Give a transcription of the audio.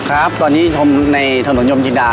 ครับตอนนี้ชมในถนนยมจินดา